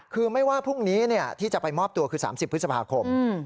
คือไม่ว่าพรุ่งนี้ที่จะไปมอบตัวคือ๓๐พฤษภาคม